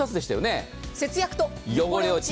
節約と汚れ落ち。